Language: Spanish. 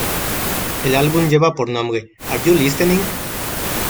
El álbum lleva por nombre "Are you listening?